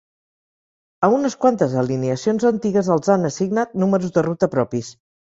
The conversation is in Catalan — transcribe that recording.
A unes quantes alineacions antigues els han assignat números de ruta propis.